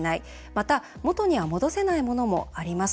また、元には戻せないものもあります。